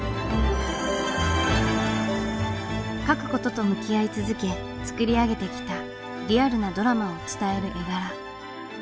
描く事と向き合い続け作り上げてきたリアルなドラマを伝える絵柄。